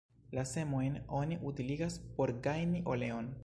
La semojn oni utiligas por gajni oleon.